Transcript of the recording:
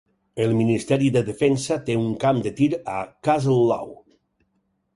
El Ministeri de Defensa té un camp de tir a Castlelaw.